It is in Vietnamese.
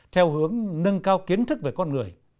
theo hướng nâng cao kiến thức về con người